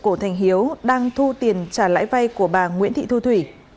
cổ thành hiếu đang thu tiền trả lãi vay của bà nguyễn thị thu thủy